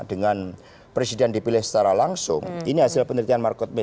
dengan presiden dipilih secara langsung